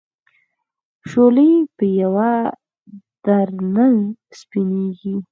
شولې په یوه در نه سپینېږي.